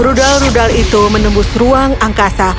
rudal rudal itu menembus ruang angkasa